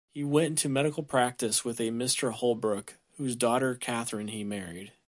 He went into medical practice with a Mr. Holbrook, whose daughter Catherine he married.